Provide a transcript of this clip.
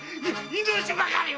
命ばかりは。